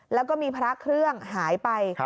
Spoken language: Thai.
แล้วก็มีพระเครื่องหายไป